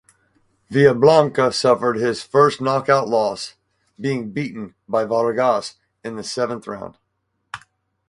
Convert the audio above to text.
Villablanca suffered his first knockout loss, being beaten by Vargas in the seventh round.